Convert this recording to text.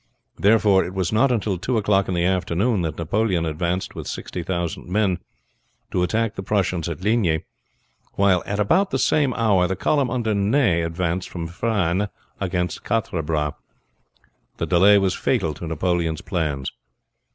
Therefore it was not until two o'clock in the afternoon that Napoleon advanced with sixty thousand men to attack the Prussians at Ligny, while at about the same hour the column under Ney advanced from Frasnes against Quatre Bras. The delay was fatal to Napoleon's plans.